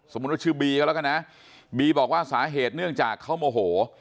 ว่าชื่อบีก็แล้วกันนะบีบอกว่าสาเหตุเนื่องจากเขาโมโห